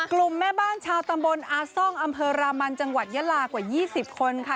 แม่บ้านชาวตำบลอาซ่องอำเภอรามันจังหวัดยาลากว่า๒๐คนค่ะ